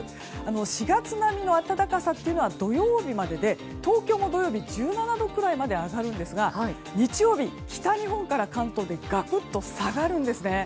４月並みの暖かさは土曜日までで東京も土曜日、１７度くらいまで上がるんですが日曜日、北日本から関東でガクッと下がるんです。